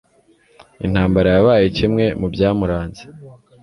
intambara yabaye kimwe mu byamuranze